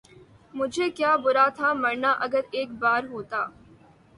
مجھے کیا برا تھا مرنا اگر ایک بار ہوتا